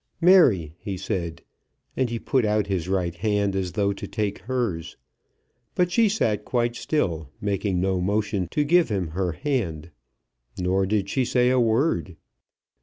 "Mary," he said, and he put out his right hand, as though to take hers. But she sat quite still, making no motion to give him her hand. Nor did she say a word.